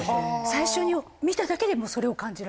最初に見ただけでもうそれを感じられたんですね。